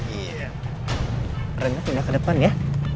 iya renggak pindah ke depan ya